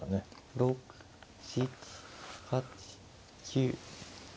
６７８９。